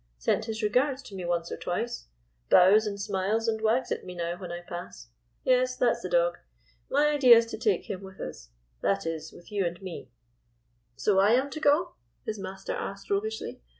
Sent his regards to me once or twice ; bows and smiles and wags at me now when I pass. Yes — that 's the dog. My idea is to take him with us; that is, with you and me —" "So I am to go?" his master asked, roguishly.